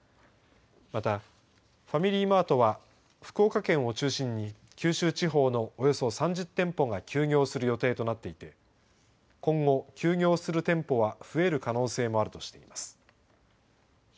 また、ファミリーマートは福岡県を中心に九州地方のおよそ３０店舗が休業する予定となっていて今後、休業する店舗は増える可能性もあるとしています。